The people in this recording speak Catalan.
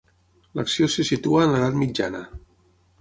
L'acció se situa en l'edat mitjana.